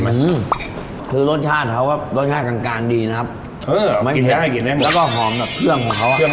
มันเยอะไปอะแซดเด้ยครับผม